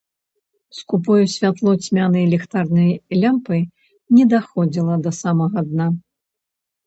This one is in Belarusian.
Скупое святло цьмянай ліхтарнай лямпы не даходзіла да самага дна.